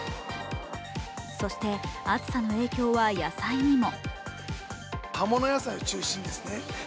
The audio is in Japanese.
そして暑さの影響は野菜にも。